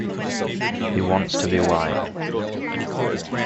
He wants to be white.